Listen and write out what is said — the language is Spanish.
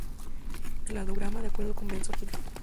Cladograma de acuerdo con Benson "et al.